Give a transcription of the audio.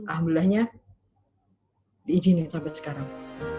alhamdulillahnya diizinin sampai sekarang